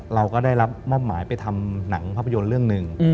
เราก็ได้รับมอบหมายไปทำหนังภาพยนตร์เรื่องหนึ่ง